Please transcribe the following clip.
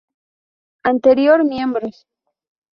Anterior miembros